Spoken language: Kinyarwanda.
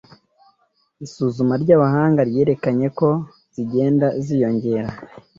Isuzuma ry'abahanga ryerekanye ko zigenda ziyongera